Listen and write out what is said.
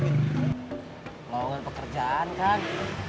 pelawangan pekerjaan kan